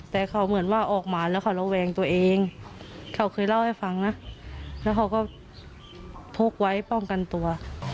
แต่เขาเหมือนว่าออกมาแล้วเขาระแวงตัวเองเขาเคยเล่าให้ฟังนะแล้วเขาก็พกไว้ป้องกันตัว